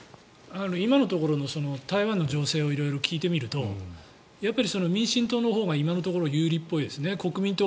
今のところの台湾の情勢を色々聞いていると民進党のほうが今のところ有利っぽいですね。